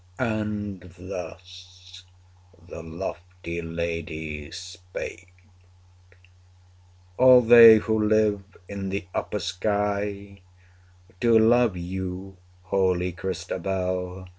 225 And thus the lofty lady spake 'All they who live in the upper sky, Do love you, holy Christabel!